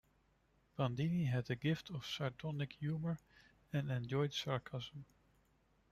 Bandini had a gift of sardonic humor and enjoyed sarcasm.